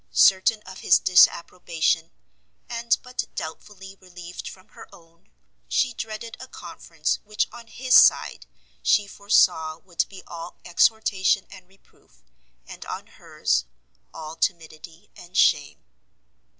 Certain of his disapprobation, and but doubtfully relieved from her own, she dreaded a conference which on his side, she foresaw, would be all exhortation and reproof, and on hers all timidity and shame.